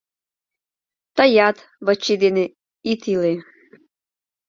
Тыят Вачи дене ит иле...